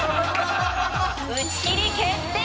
打ち切り決定！